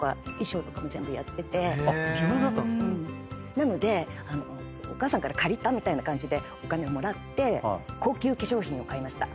なのでお母さんから借りたみたいな感じでお金をもらって高級化粧品を買いました。